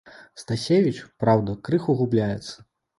Стасевіч, праўда, крыху губляецца.